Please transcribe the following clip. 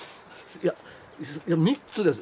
いや３つです。